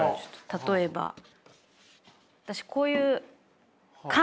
例えば私こういうほう。